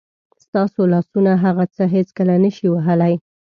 ستاسو لاسونه هغه څه هېڅکله نه شي وهلی.